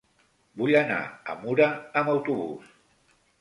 Vull anar a Mura amb autobús.